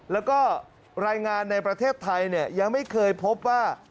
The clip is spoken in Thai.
แล้วก็รายงานในประเทศไทยยังไม่เคยพบว่า